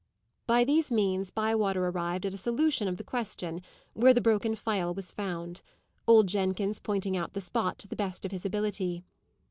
By these means, Bywater arrived at a solution of the question, where the broken phial was found; old Jenkins pointing out the spot, to the best of his ability.